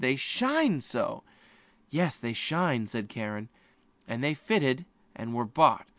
"They shine so." "Yes, they do shine," said Karen. They fitted her, and were bought.